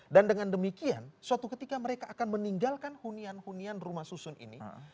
dan dengan demikian suatu ketika mereka akan meninggalkan hunian hunian rumah susun ini